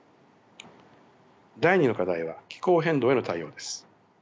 第２の課題は気候変動への対応です。